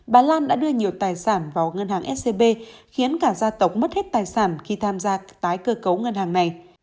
bà lan đã đưa nhiều tài sản vào ngân hàng scb khiến cả gia tộc mất hết tài sản khi tham gia tái cơ cấu ngân hàng này